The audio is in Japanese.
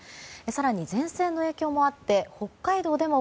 更に前線の影響もあって北海道でも、